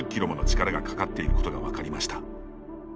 力がかかっていることが分かりました。